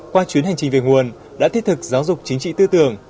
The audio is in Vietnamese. qua chuyến hành trình về nguồn đã thiết thực giáo dục chính trị tư tưởng